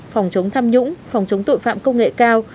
phòng chống tham nhũng phòng chống tội phạm công nghệ cao